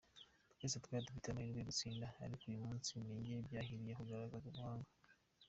Twese twari dufite amahirwe yo gutsinda ariko uyu munsi ninjye byahiriye kugaragaza ubuhanga.